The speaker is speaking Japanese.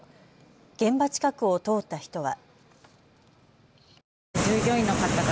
現場近くを通った人は。